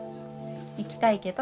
行きたいけど。